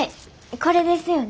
これですよね？